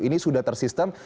ini sudah tersistem